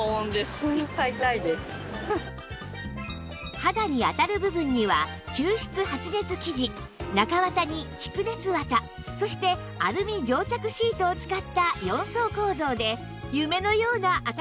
肌に当たる部分には吸湿発熱生地中綿に蓄熱綿そしてアルミ蒸着シートを使った４層構造で夢のような暖かさ